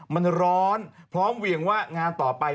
มันร้อนพร้อมเหวี่ยงว่างานต่อไป